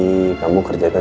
apalagi kamu kerja kan